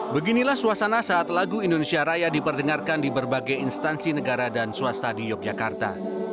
beginilah suasana saat lagu indonesia raya diperdengarkan di berbagai instansi negara dan swasta di yogyakarta